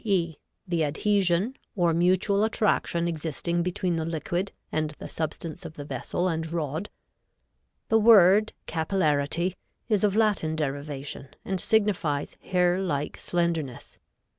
e._, the adhesion, or mutual attraction existing between the liquid and the substance of the vessel and rod. The word capillarity is of Latin derivation, and signifies hair like slenderness.